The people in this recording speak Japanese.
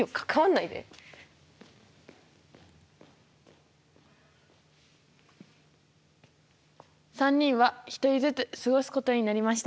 いや３人は１人ずつ過ごすことになりました。